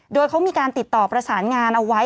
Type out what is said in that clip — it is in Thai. โดยเขามีการติดต่อประสานงานเอาไว้